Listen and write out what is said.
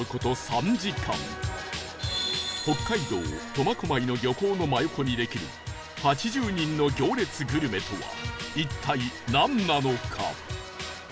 北海道苫小牧の漁港の真横にできる８０人の行列グルメとは一体なんなのか？